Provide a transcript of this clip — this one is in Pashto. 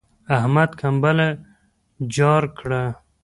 احمد کمبله جار کړه.